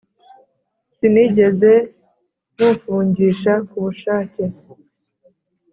Sinigeze mufungisha kubushake